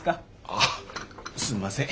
あっすんません。